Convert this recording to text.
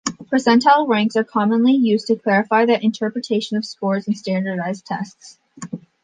Percentile ranks are commonly used to clarify the interpretation of scores on standardized tests.